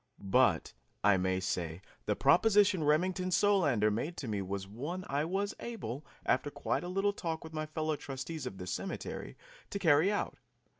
But, I may say, the proposition Remington Solander made to me was one I was able, after quite a little talk with my fellow trustees of the cemetery, to carry out.